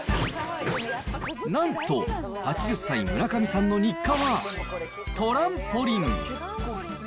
なんと、８０歳村上さんの日課は、トランポリン。